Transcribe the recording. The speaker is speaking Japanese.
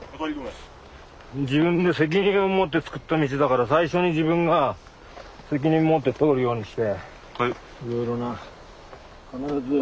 自分で責任を持って作った道だから最初に自分が責任持って通るようにしていろいろな必ず。